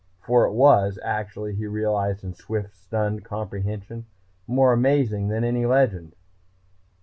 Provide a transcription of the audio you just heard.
For it was, actually, he realized in swift, stunned comprehension, more amazing than any legend.